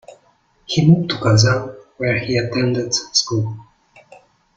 He moved to Kazan, where he attended school.